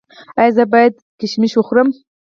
ایا زه باید کشمش وخورم؟